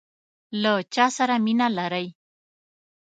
له چاسره مینه لرئ؟